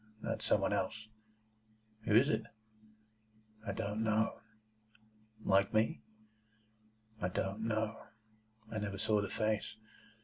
That some one else." "Who is it?" "I don't know." "Like me?" "I don't know. I never saw the face.